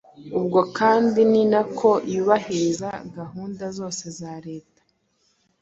Ubwo kandi ni na ko yubahiriza gahunda zose za Leta